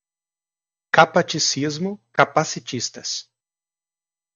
Capaticismo, capacitistas